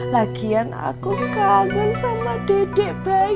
lagian aku kaget sama dedek bayinya